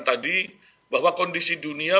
tadi bahwa kondisi dunia